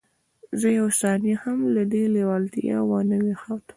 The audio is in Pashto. زه یوه ثانیه هم له دې لېوالتیا وانه وښتم